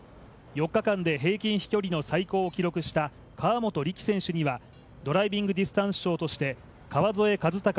４日間で平均飛距離の最高を記録した河本力選手にはドライビングディスタンス賞として川添和尊